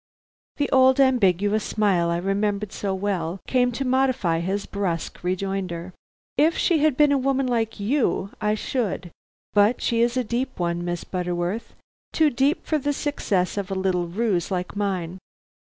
The old ambiguous smile I remembered so well came to modify his brusque rejoinder. "If she had been a woman like you, I should; but she is a deep one, Miss Butterworth; too deep for the success of a little ruse like mine.